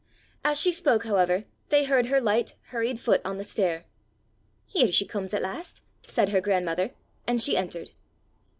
As she spoke, however, they heard her light, hurried foot on the stair. "Here she comes at last!" said her grandmother, and she entered.